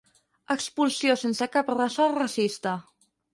Expulsió sense cap ressò racista.